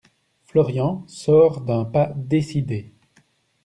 Florian sort d’un pas décidé.